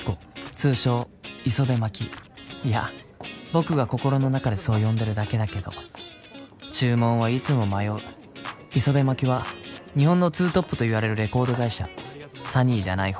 通称・イソベマキいや僕が心の中でそう呼んでるだけだけど注文はいつも迷うイソベマキは日本のツートップといわれるレコード会社サニーじゃない方